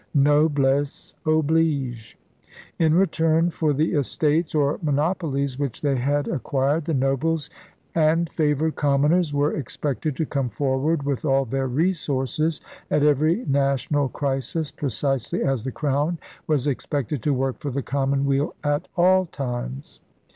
Noblesse oblige. In return for the estates or monopolies which they had ac quired the nobles and favored commoners were expected to come forward with all their resources at every national crisis precisely as the Crown was expected to work for the common weal at all times.